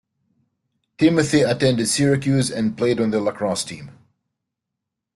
Timothy attended Syracuse and played on the lacrosse team.